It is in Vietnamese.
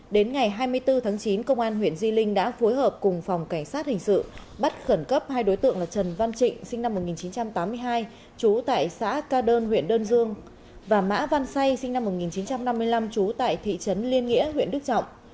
đến ngày hai mươi bốn tháng chín công an huyện di linh đã phối hợp cùng phòng cảnh sát hình sự bắt khẩn cấp hai đối tượng là trần văn trịnh sinh năm một nghìn chín trăm tám mươi hai trú tại xã ca đơn huyện đơn dương và mã văn say sinh năm một nghìn chín trăm năm mươi năm trú tại thị trấn liên nghĩa huyện đức trọng